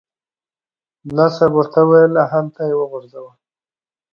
ملا صاحب ورته وویل هوغلته یې وغورځوه.